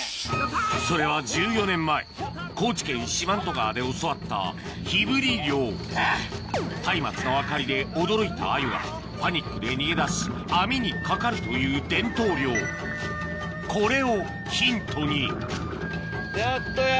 それは１４年前高知県四万十川で教わった火振り漁たいまつの明かりで驚いたアユがパニックで逃げ出し網にかかるという伝統漁これをヒントにやっとや。